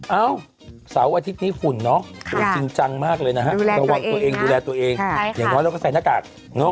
เอ้าเสาร์อาทิตย์นี้ฝุ่นเนอะจริงจังมากเลยนะฮะระวังตัวเองดูแลตัวเองอย่างน้อยเราก็ใส่หน้ากาก